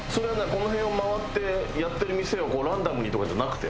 この辺を回ってやってる店をランダムにとかじゃなくて？